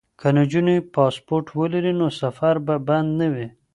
که نجونې پاسپورټ ولري نو سفر به بند نه وي.